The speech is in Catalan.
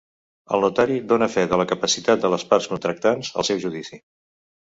El Notari dóna fe de la capacitat de les parts contractants, al seu judici.